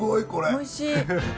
おいしい。